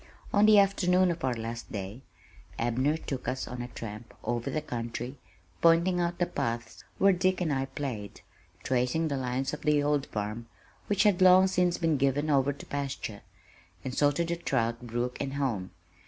On the afternoon of our last day, Abner took us on a tramp over the country, pointing out the paths "where Dick and I played," tracing the lines of the old farm, which had long since been given over to pasture, and so to the trout brook and home.